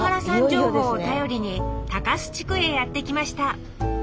情報を頼りに高須地区へやって来ました